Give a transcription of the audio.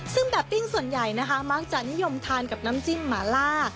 ซึ่งแบบปิ้งส่วนใหญ่นะคะมักจะนิยมทานกับน้ำจิ้มหมาล่า